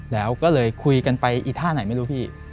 แล้วก็เลยคุยกันไปอีท่าไหนไม่รู้พี่